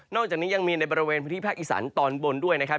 อกจากนี้ยังมีในบริเวณพื้นที่ภาคอีสานตอนบนด้วยนะครับ